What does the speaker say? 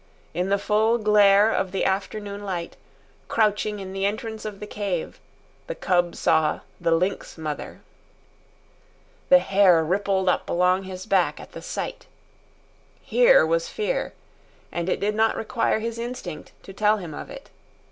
In the full glare of the afternoon light, crouching in the entrance of the cave, the cub saw the lynx mother. The hair rippled up along his back at the sight. Here was fear, and it did not require his instinct to tell him of it.